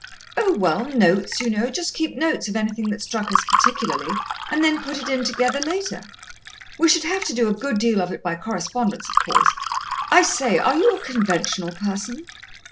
"Oh, well, notes, you know just keep notes of anything that struck us particularly, and then put it in together later. We should have to do a good deal of it by correspondence, of course.... I say, are you a conventional person?"